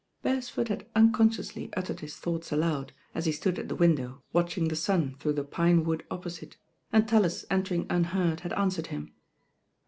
Beresford had unconsciously uttered his thoughts aloud, as he stood at the window, watching the sun through the pine wood opposite, and Tallis entering unheard, had answered him.